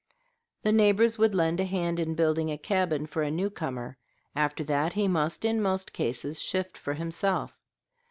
The neighbors would lend a hand in building a cabin for a new comer; after that he must in most cases shift for himself.